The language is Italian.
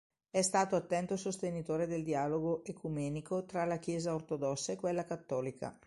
È stato attento sostenitore del dialogo ecumenico tra la Chiesa Ortodossa e quella Cattolica.